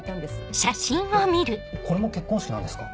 えっこれも結婚式なんですか？